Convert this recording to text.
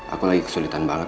aku lagi kesulitan banget